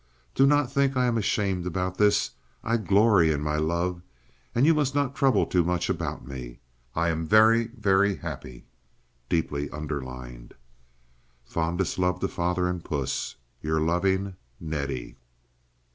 Do not think I am ashamed about this, I glory in my love, and you must not trouble too much about me. I am very, very happy (deeply underlined). "Fondest love to Father and Puss. "Your loving "Nettie."